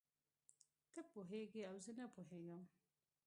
ته پوهېږې او زه نه پوهېږم.